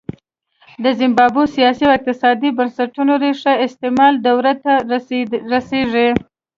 د زیمبابوې سیاسي او اقتصادي بنسټونو ریښې استعمار دورې ته رسېږي.